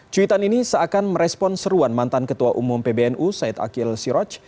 cuitan ini seakan merespon seruan mantan ketua umum pbnu said akil siroj